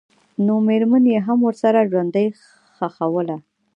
نومېرمن یې هم ورسره ژوندۍ ښخوله.